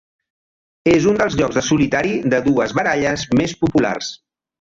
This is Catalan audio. És un dels jocs del solitari de dues baralles més populars.